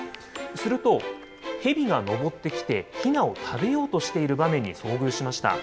すると、ヘビが登ってきてひなを食べようとしている場面に遭遇しました。